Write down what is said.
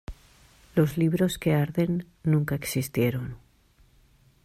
Los libros que arden nunca existieron